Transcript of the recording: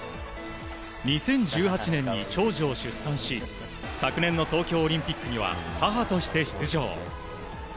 ２０１８年に長女を出産し昨年の東京オリンピックには母として出場。